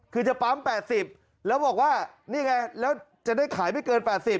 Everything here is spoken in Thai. คือจะปั๊ม๘๐แล้วบอกว่านี่ไงแล้วจะได้ขายไม่เกิน๘๐